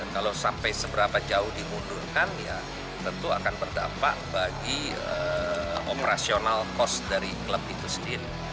kalau sampai seberapa jauh dimundurkan ya tentu akan berdampak bagi operasional cost dari klub itu sendiri